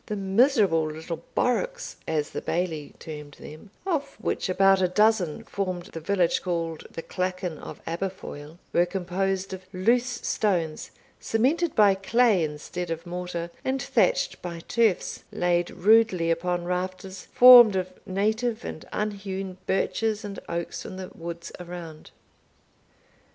The miserable little bourocks, as the Bailie termed them, of which about a dozen formed the village called the Clachan of Aberfoil, were composed of loose stones, cemented by clay instead of mortar, and thatched by turfs, laid rudely upon rafters formed of native and unhewn birches and oaks from the woods around.